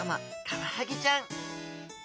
カワハギちゃん。